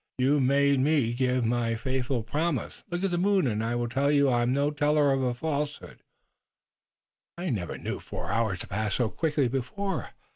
"You made me give my faithful promise. Look at the moon, and it will tell you I am no teller of a falsehood." "I never knew four hours to pass so quickly before.